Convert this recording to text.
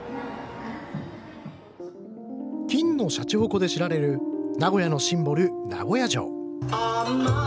金のしゃちほこで知られる名古屋のシンボル、名古屋城。